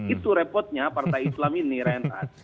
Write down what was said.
itu repotnya partai islam ini renhat